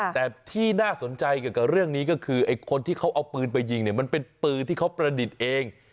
แต่ที่น่าสนใจเกี่ยวกับเรื่องนี้ก็คือไอ้คนที่เขาเอาปืนไปยิงเนี่ยมันเป็นปืนที่เขาประดิษฐ์เอง